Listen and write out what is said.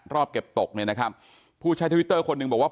รอบเก็บตกเนี่ยนะครับผู้ใช้ทวิตเตอร์คนหนึ่งบอกว่า